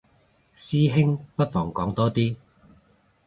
師兄不妨講多啲